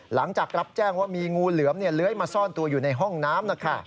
หลังจากรับแจ้งว่ามีงูเหลือมเลื้อยมาซ่อนตัวอยู่ในห้องน้ำนะคะ